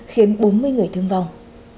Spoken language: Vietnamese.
khiến bốn mươi người thương vong